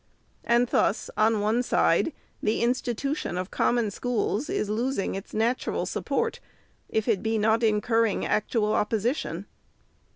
And thus, on one side, the institution of Common Schools is losing its natural support, if it be not incurring actual opposition.